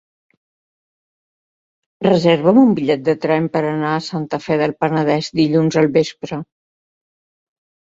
Reserva'm un bitllet de tren per anar a Santa Fe del Penedès dilluns al vespre.